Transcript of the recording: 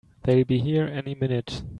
They'll be here any minute!